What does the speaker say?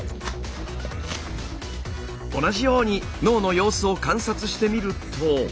同じように脳の様子を観察してみると。